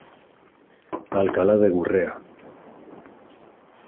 Alcalá de Gurrea.